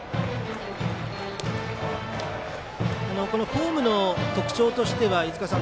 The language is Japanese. このフォームの特徴としては飯塚さん